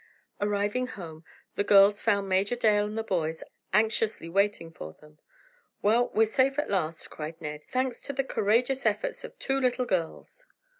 Arriving home, the girls found Major Dale and the boys anxiously waiting for them. "Well, we're safe at last," cried Ned, "thanks to the courageous efforts of two little girls!"